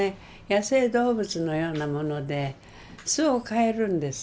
野生動物のようなもので巣を変えるんです。